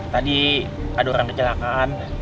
tadi ada orang kecelakaan